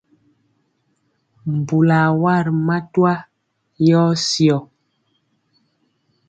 Mbulɔ a wa ri matwa yɔ syɔ.